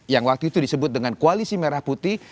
yang waktu itu disebut dengan koalisi merah putih